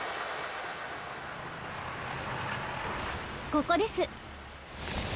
ここです。